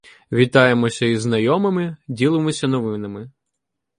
Вітаємося із знайомими, ділимося новинами.